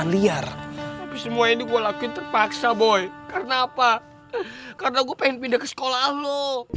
bener semua ini gua lakuin terpaksa boy karena apa karena gue pengen pindah ke sekolah lu